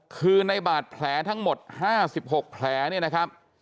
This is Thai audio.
คือในบาดแผลทั้งหมด๕๖แผลเนี่ยนะครับ